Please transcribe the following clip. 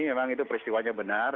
memang itu peristiwanya benar